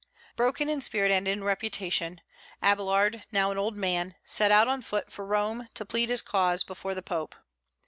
Broken in spirit and in reputation, Abélard, now an old man, set out on foot for Rome to plead his cause before the Pope.